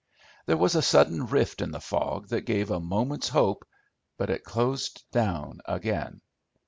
There was a sudden rift in the fog that gave a moment's hope, but it closed down again.